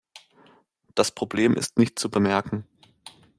Das Problem ist nicht zu bemerken.